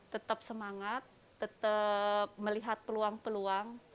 tetap semangat tetap melihat peluang peluang